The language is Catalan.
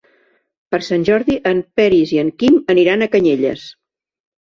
Per Sant Jordi en Peris i en Quim aniran a Canyelles.